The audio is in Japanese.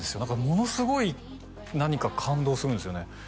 ものすごい何か感動するんですよね